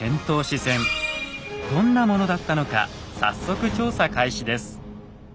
どんなものだったのか早速調査開始です。